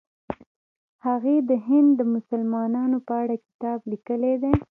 هغې د هند د مسلمانانو په اړه کتاب لیکلی دی.